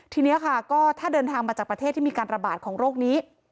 ทีนี้ค่ะก็ถ้าเดินทางมาจากประเทศที่มีการระบาดของโรคนี้